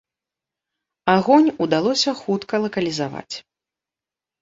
Агонь удалося хутка лакалізаваць.